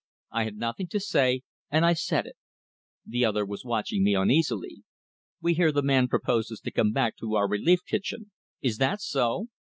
I had nothing to say, and I said it. The other was watching me uneasily. "We hear the man proposes to come back to our relief kitchen. Is that so?"